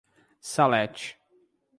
Salete